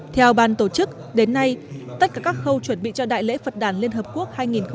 theo ban tổ chức đến nay tất cả các khâu chuẩn bị cho đại lễ phật đàn liên hợp quốc hai nghìn một mươi chín